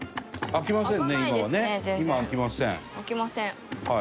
開きません。